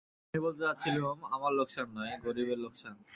আমি বলতে যাচ্ছিলুম, আমার লোকসান নয়, গরিবের লোকসান।